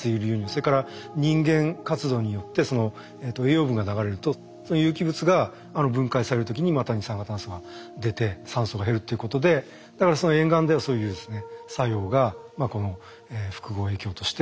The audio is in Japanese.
それから人間活動によって栄養分が流れるとそういう有機物が分解される時にまた二酸化炭素が出て酸素が減るっていうことでだから沿岸ではそういう作用が複合影響として出やすい場所になっていると。